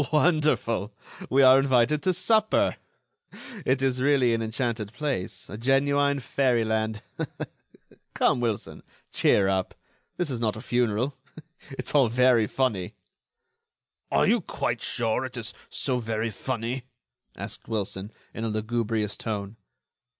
"Wonderful! we are invited to supper. It is really an enchanted place, a genuine fairy land. Come, Wilson, cheer up! this is not a funeral. It's all very funny." "Are you quite sure it is so very funny?" asked Wilson, in a lugubrious tone.